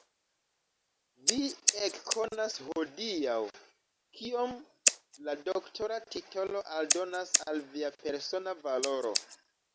Vi ekkonas hodiaŭ, kiom la doktora titolo aldonas al via persona valoro!